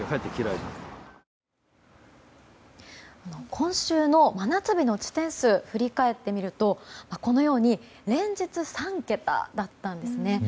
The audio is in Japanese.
今週の真夏日の地点数振り返ってみるとこのように連日３桁だったんですね。